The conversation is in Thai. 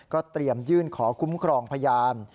เตรียมยื่นขอคุ้มครองพยาน